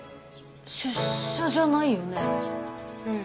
出社じゃないよね？